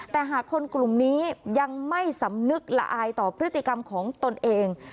แต่หากคนกลุ่มนี้ยังไม่สำนึกละอายต่อพฤติกรรมของตนเอง